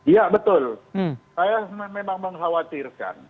ya betul saya memang mengkhawatirkan